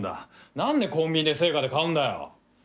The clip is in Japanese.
なんでコンビニで正価で買うんだよ！